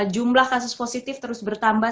jumlah kasus positif terus bertambah